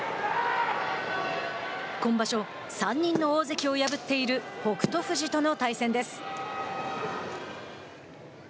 今場所、３人の大関を破っている北勝富士との対戦です。